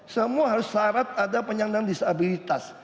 semua harus syarat ada penyandang disabilitas